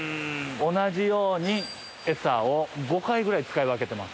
同じようにエサを５回ぐらい使い分けてます。